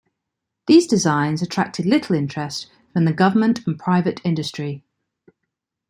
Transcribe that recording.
These designs attracted little interest from the government and private industry.